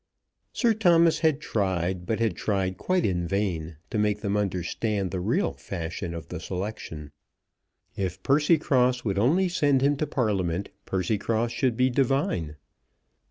Sir Thomas had tried, but had tried quite in vain, to make them understand the real fashion of the selection. If Percycross would only send him to Parliament, Percycross should be divine.